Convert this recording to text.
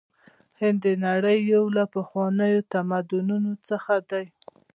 هند د نړۍ یو له پخوانیو تمدنونو څخه دی.